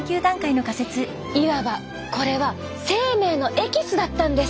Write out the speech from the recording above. いわばこれは生命のエキスだったんです！